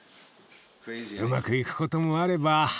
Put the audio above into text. うまくいくこともあれば。